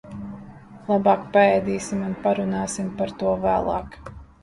Labāk paēdīsim un parunāsim par to vēlāk.